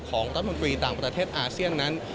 ของรัฐมนตรีต่างประเทศอาเซียนนั้น